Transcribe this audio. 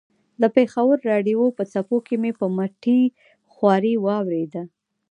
د پېښور راډیو په څپو کې مې په مټې خوارۍ واورېده.